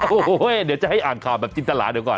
โอ้โหเดี๋ยวจะให้อ่านข่าวแบบจินตลาเดี๋ยวก่อน